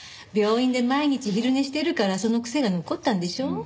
病院で毎日昼寝してるからその癖が残ったんでしょ。